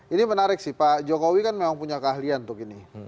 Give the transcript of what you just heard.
ini menarik sih pak jokowi kan memang punya keahlian untuk ini